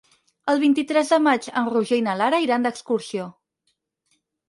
El vint-i-tres de maig en Roger i na Lara iran d'excursió.